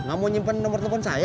yang mau nyempen nomor telepon saya